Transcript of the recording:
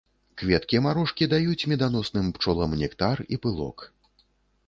Кветкі марошкі даюць меданосным пчолам нектар і пылок.